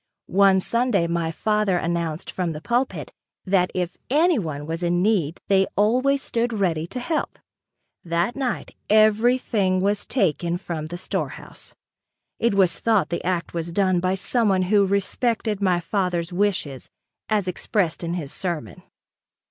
One Sunday my father announced from the pulpit that if anyone was in need they always stood ready to help. That night everything was taken from the storehouse. It was thought the act was done by someone who respected my father's wishes as expressed in his sermon.